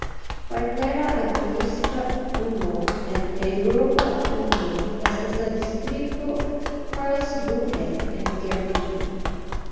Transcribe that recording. Partnera administra unuo en Eŭropa Unio estas la distrikto Karlsruhe en Germanio.